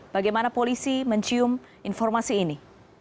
bagaimana polisi mencium informasi ini